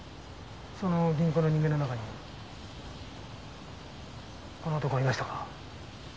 その銀行の人間の中にこの男はいましたか？